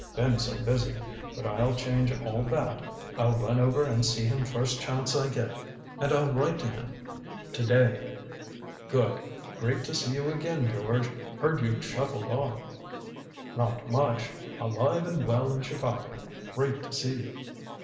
Been so busy but I'll change all that. I'll run over and see him first chance I get and I'll write to him to day." "Good. Great to see you again, George. Heard you'd shuffled off." "Not much. Alive and well in Chicago. Great to see you."